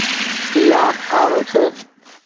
اي آپ آرو ڇي